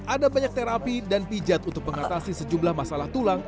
ada banyak terapi dan pijat untuk mengatasi sejumlah masalah tulang